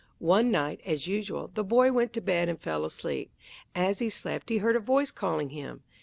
One night, as usual, the boy went to bed and fell asleep. As he slept he heard a voice calling him.